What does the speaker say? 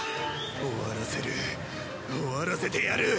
終わらせる終わらせてやる！